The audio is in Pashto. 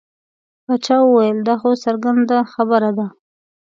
باچا وویل دا خو څرګنده خبره ده.